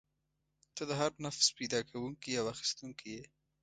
ته د هر نفس پیدا کوونکی او اخیستونکی یې.